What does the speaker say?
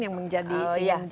yang menjadi entrepreneur